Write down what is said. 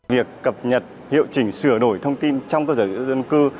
việc cập nhật hiệu chỉnh sửa đổi thông tin trong cơ sở dân cư